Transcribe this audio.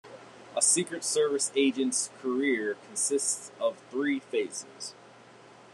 A Secret Service agent's career consists of three phases.